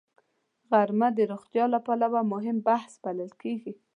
غرمه د روغتیا له پلوه مهم وخت بلل کېږي